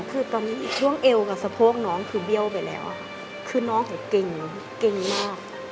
คือตอนนี้ช่วงเอวกับสะโพกน้องคือเบี้ยวไปแล้วคือน้องเนี่ยเก่งเก่งมาก